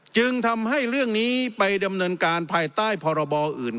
จึงทำให้เรื่องนี้ไปดำเนินการภายใต้พรบอื่น